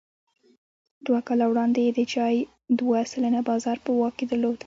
دوه کاله وړاندې یې د چای دوه سلنه بازار په واک کې درلود.